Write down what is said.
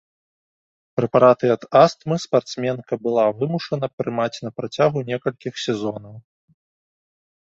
Прэпараты ад астмы спартсменка была вымушана прымаць на працягу некалькіх сезонаў.